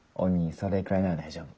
それくらいなら大丈夫。